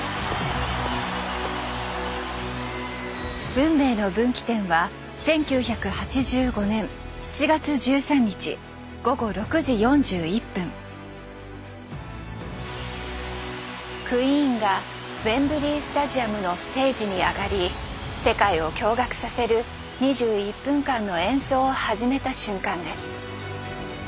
運命の分岐点はクイーンがウェンブリースタジアムのステージに上がり世界を驚がくさせる２１分間の演奏を始めた瞬間です。